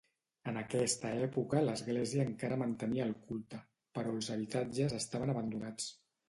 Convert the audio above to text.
En aquesta època l'església encara mantenia el culte, però els habitatges estaven abandonats.